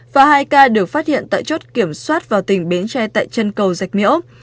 và hai ca được phát hiện tại chốt kiểm soát vào tỉnh bến tre tại chân cầu dạch miễu